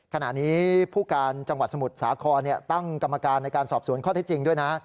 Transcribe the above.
ขณะนี้ผู้การจังหวัดสมุทรสาครตั้งกรรมการในการสอบสวนข้อเท็จจริงด้วยนะ